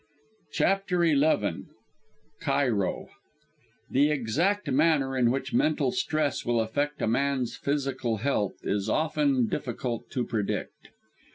CHAPTER XI CAIRO The exact manner in which mental stress will effect a man's physical health is often difficult to predict.